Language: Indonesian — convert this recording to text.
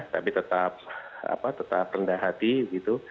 tapi tetap rendah hati